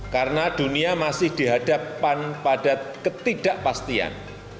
karena dunia masih dihadapan pada ketidakpastian